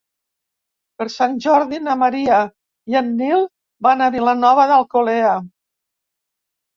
Per Sant Jordi na Maria i en Nil van a Vilanova d'Alcolea.